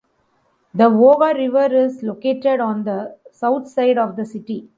The Volga River is located on the south side of the city.